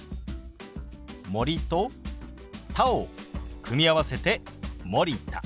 「森」と「田」を組み合わせて「森田」。